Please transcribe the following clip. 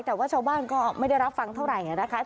แต่ว่าชาวบ้านก็ไม่ได้รับฟังเท่าไหร่นะคะ